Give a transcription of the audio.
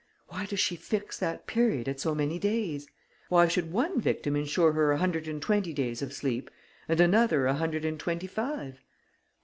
Why does she fix that period at so many days? Why should one victim ensure her a hundred and twenty days of sleep and another a hundred and twenty five?